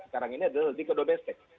sekarang ini adalah di kedo bestek